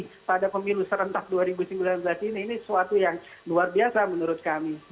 jadi kepada pemilu serentak dua ribu sembilan belas ini ini sesuatu yang luar biasa menurut kami